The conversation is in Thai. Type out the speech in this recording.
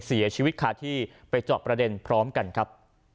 เสียชีวิตคาที่ไปเจาะประเด็นพร้อมกันครับ